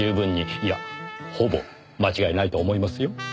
いやほぼ間違いないと思いますよ。